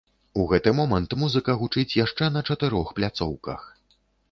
У гэты момант музыка гучыць яшчэ на чатырох пляцоўках!